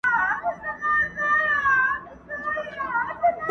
سرومال به مو تر مېني قرباني کړه!!